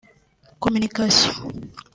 communication